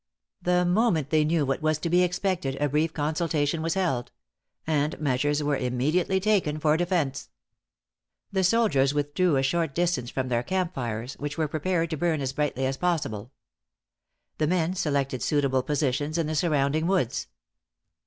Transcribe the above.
The moment they knew what was to be expected, a brief consultation was held; and measures were immediately taken for defence. The soldiers withdrew a short distance from their camp fires, which were prepared to burn as brightly as possible. The men selected suitable positions in the surrounding woods.